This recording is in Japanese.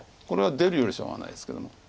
これは出るよりしょうがないですけども。